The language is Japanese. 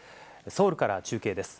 ソウルから中継です。